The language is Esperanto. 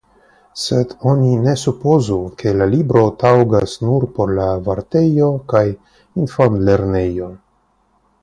Sed oni ne supozu ke la libro taŭgas nur por la vartejo kaj infanlernejo.